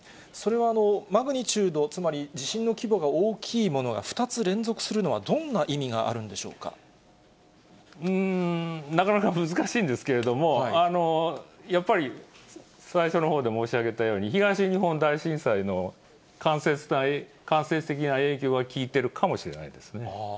それはマグニチュード、つまり地震の規模が大きいものが２つ連続するのはどんな意味があなかなか難しいんですけれども、やっぱり、最初のほうで申し上げたように、東日本大震災の間接的な影響が効いてるかもしれないですね。